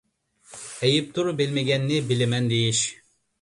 ئەيىبتۇر بىلمىگەننى بىلىمەن دېيىش.